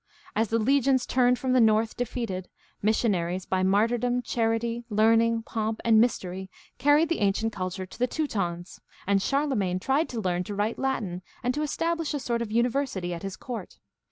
As the legions returned from the North defeated, missionaries, by martyrdom, charity, learn ing, pomp, and mystery, carried the ancient culture to the Teutons, and Charlemagne tried to learn to write Latin and to establish a sort of university at his court.